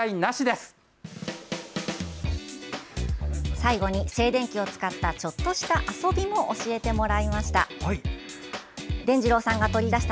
最後に、静電気を使ったちょっとした遊びも教えてもらいました。